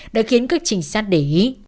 đã khiến các trinh sát để ý